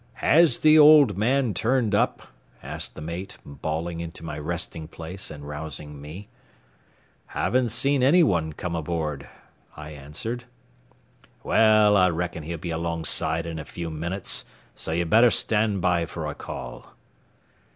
"Has the old man turned up?" asked the mate, bawling into my resting place and rousing me. "Haven't seen any one come aboard," I answered. "Well, I reckon he'll be alongside in a few minutes; so you better stand by for a call."